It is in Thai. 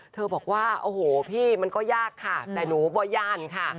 เธอบอกว่าโอ้โหพี่มันก็ยากค่ะแต่หนูบ่ย่านค่ะ